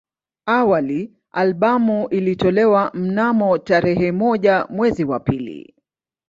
Awali albamu ilitolewa mnamo tarehe moja mwezi wa pili